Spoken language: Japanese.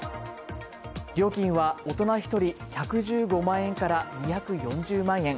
料金は、大人１人１１５万円から２４０万円。